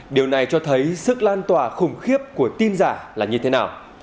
điều này cho thấy sức lan tỏa khủng khiếp của tin giả là như thế nào